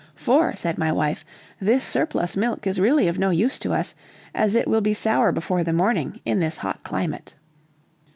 "For," said my wife, "this surplus milk is really of no use to us, as it will be sour before the morning in this hot climate."